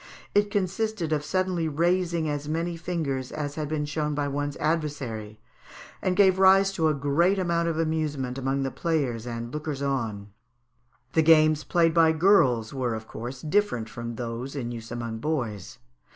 It consisted of suddenly raising as many fingers as had been shown by one's adversary, and gave rise to a great amount of amusement among the players and lookers on. The games played by girls were, of course, different from those in use among boys.